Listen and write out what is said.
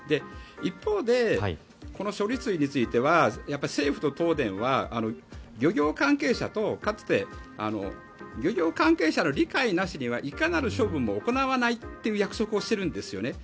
一方でこの処理水については政府と東電は漁業関係者とかつて漁業関係者の理解なしにはいかなる処分も行わないという約束をしているんです。